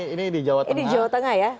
ini di jawa tengah ya